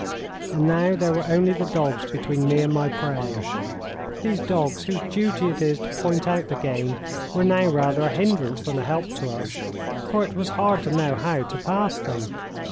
And now there were only the dogs between me and my prey. These dogs, whose duty it is to point out the game, were now rather a hindrance than a help to us, for it was hard to know how to pass them.